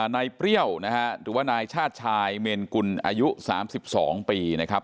เปรี้ยวนะฮะหรือว่านายชาติชายเมนกุลอายุ๓๒ปีนะครับ